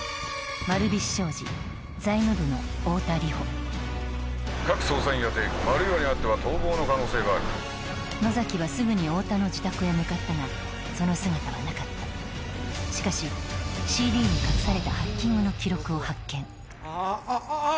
丸菱商事財務部の太田梨歩各捜査員宛てマルヨウにあっては逃亡の可能性がある野崎はすぐに太田の自宅へ向かったがその姿はなかったしかしＣＤに隠されたハッキングの記録を発見あっあああ！